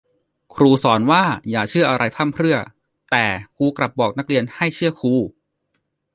ครูสอนว่าอย่าเชื่ออะไรพร่ำเพรื่อ แต่ครูกลับบอกนักเรียนให้เชื่อครู